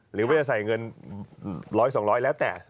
หรือว่าจะใส่เงิน๑๐๐๒๐๐แล้วแต่